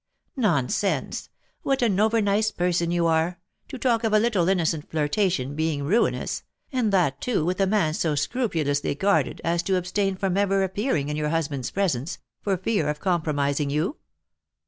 "Nonsense! What an over nice person you are, to talk of a little innocent flirtation being ruinous, and that, too, with a man so scrupulously guarded as to abstain from ever appearing in your husband's presence, for fear of compromising you.